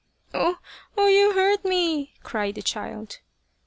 Oh, oh, you hurt me," cried the child.